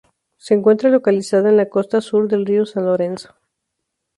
Se encuentra localizada en la costa sur del río San Lorenzo.